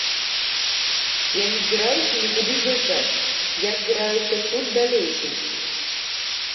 Я не збіраюся нікуды з'язджаць, я збіраюся тут далей жыць.